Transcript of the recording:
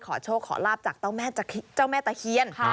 ขอโชคขอลาบจากเจ้าแม่ตะเคียน